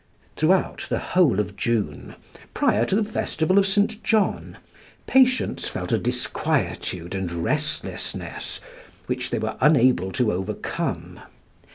Throughout the whole of June, prior to the festival of St. John, patients felt a disquietude and restlessness which they were unable to overcome.